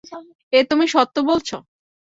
এ তুমি সত্য বলছ?